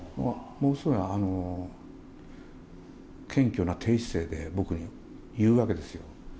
ものすごい謙虚な低姿勢で僕に言うわけですよ。